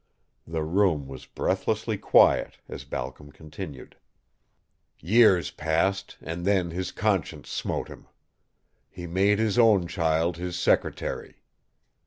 The room was breathlessly quiet as Balcom continued. "Years passed and then his conscience smote him. He made his own child his secretary."